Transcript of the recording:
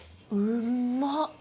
うまっ！